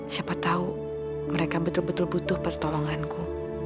siapa tahu mereka betul betul butuh pertolonganku